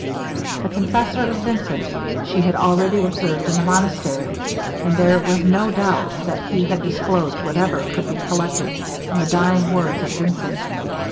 The confessor of Vincent she had already observed in the monastery, and there was no doubt that he had disclosed whatever could be collected from the dying words of Vincent.